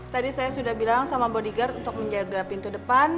tadi saya sudah bilang sama body guard untuk menjaga pintu depan